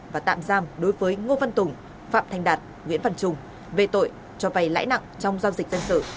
và tạm giam đối với ngô văn tùng phạm thành đạt nguyễn văn trung về tội cho vay lãi nặng trong giao dịch dân sự